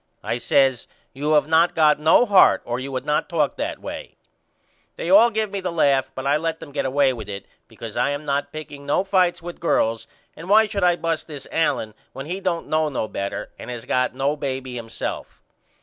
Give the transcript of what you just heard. I says You have not got no heart or you would not talk that way. They all give me the laugh but I let them get away with it because I am not picking no fights with girls and why should I bust this Allen when he don't know no better and has not got no baby himself.